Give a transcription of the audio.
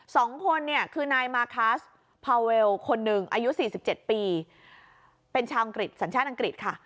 สองคนเนี่ยคือนายมาร์คาร์สพาวเวลคนหนึ่งอายุ๔๗ปีเป็นชาวอังกฤษสัญชาติอังกฤษค่ะ